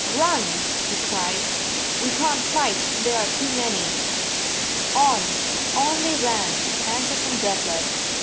"Run," he cried. " We can t fight; they are too many." On, on they ran, panting and breathless.